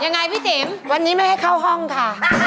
ยังไงพี่ติ๋มวันนี้ไม่ให้เข้าห้องค่ะ